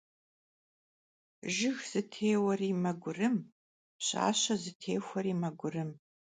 Jjıg zıtêueri megurım, pş'aşe zıtêxueri megurım.